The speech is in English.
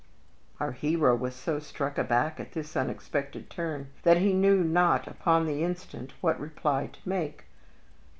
Our hero was so struck aback at this unexpected turn that he knew not upon the instant what reply to make.